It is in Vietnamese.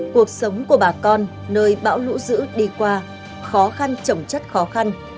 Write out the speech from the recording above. cuộc sống của bà con nơi bão lũ dữ đi qua khó khăn trồng chất khó khăn